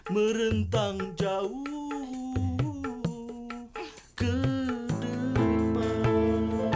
merentang jauh ke depan